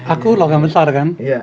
aku logam besar kan